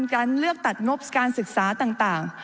การเลือกตัดงบการศึกษาต่าง